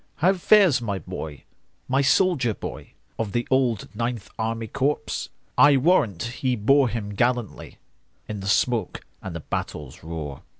"How fares my boy,—my soldier boy, Of the old Ninth Army Corps?I warrant he bore him gallantlyIn the smoke and the battle's roar!"